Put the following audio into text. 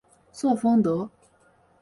瑟丰德。